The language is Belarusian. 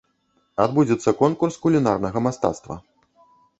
Адбудзецца конкурс кулінарнага мастацтва.